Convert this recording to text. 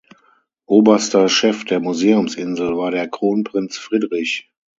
Oberster Chef der Museumsinsel war der Kronprinz Friedrich.